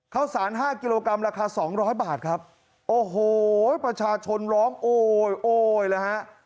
ข้าวสาร๕กิโลกรัมราคา๒๐๐บาทครับโอ้โหประชาชนร้องโอ้ยโอ้ยเลยฮะ